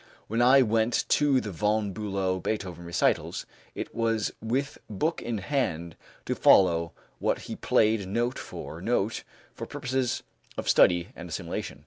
When I went to the Von Bülow Beethoven recitals it was with book in hand, to follow what he played note for note for purposes of study and assimilation.